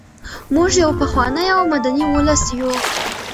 موږ یو پخوانی او مدني ولس یو.